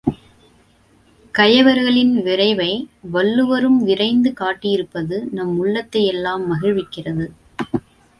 கயவர்களின் விரைவை வள்ளுவரும் விரைந்து காட்டியிருப்பது நம் உள்ளத்தை யெல்லாம் மகிழ்விக்கிறது.